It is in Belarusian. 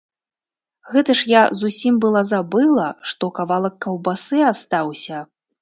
Гэта ж я зусім была забыла, што кавалак каўбасы астаўся.